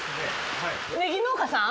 ネギ農家さん？